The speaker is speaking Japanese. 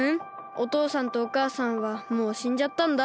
おとうさんとおかあさんはもうしんじゃったんだ。